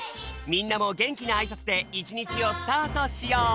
みんなもげんきなあいさつでいちにちをスタートしよう！